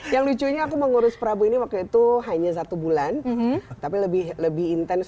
yang lucunya aku mengurus prabu ini waktu itu hanya satu bulan tapi lebih lebih intens